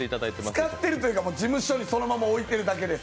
使ってるというか事務所にそのまま置いてるだけです。